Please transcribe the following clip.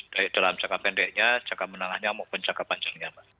baik dalam jangka pendeknya jangka menengahnya maupun jangka panjangnya mbak